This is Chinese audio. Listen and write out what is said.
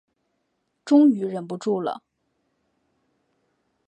终于忍不住了